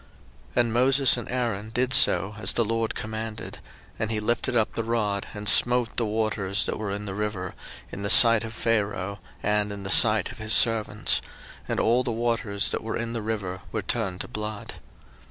02:007:020 And Moses and Aaron did so, as the LORD commanded; and he lifted up the rod, and smote the waters that were in the river, in the sight of Pharaoh, and in the sight of his servants; and all the waters that were in the river were turned to blood.